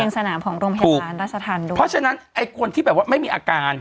สนามของโรงพยาบาลราชธรรมด้วยเพราะฉะนั้นไอ้คนที่แบบว่าไม่มีอาการ